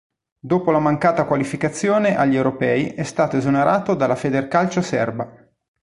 Dopo la mancata qualificazione agli europei è stato esonerato dalla Federcalcio serba.